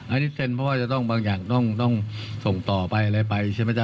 อันนี้เซ็นเพราะว่าจะต้องบางอย่างต้องส่งต่อไปอะไรไปใช่ไหมจ๊